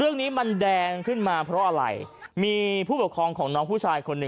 เรื่องนี้มันแดงขึ้นมาเพราะอะไรมีผู้ปกครองของน้องผู้ชายคนหนึ่ง